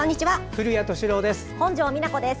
古谷敏郎です。